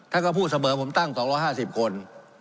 ท่านก็พูดเสมอผมตั้ง๒๕๐คน